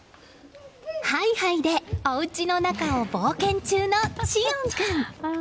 ハイハイでおうちの中を冒険中の志苑君。